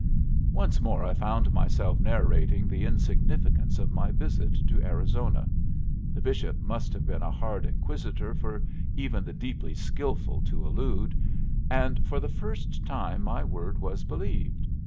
Once more I found myself narrating the insignificance of my visit to Arizona the Bishop must have been a hard inquisitor for even the deeply skilful to elude and for the first time my word was believed.